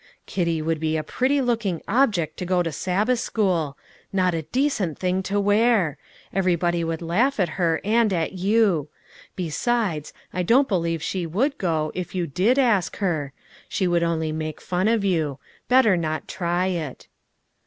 "Kitty would be a pretty looking object to go to Sabbath school, not a decent thing to wear! Everybody would laugh at her and at you. Besides, I don't believe she would go, if you did ask her; she would only make fun of you. Better not try it."